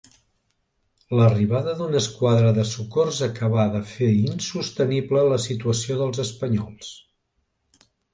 L'arribada d'una esquadra de socors acabà de fer insostenible la situació dels espanyols.